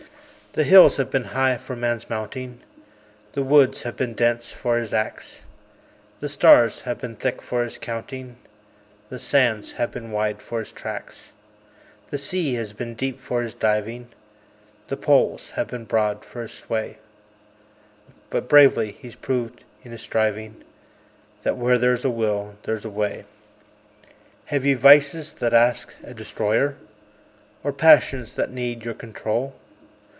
The hills have been high for man's mounting, The woods have been dense for his axe, The stars have been thick for his counting, The sands have been wide for his tracks, The sea has been deep for his diving, The poles have been broad for his sway, But bravely he's proved in his sriving, That "Where there's a will there's a way." Have ye vices that ask a destroyer? Or passions that need your control?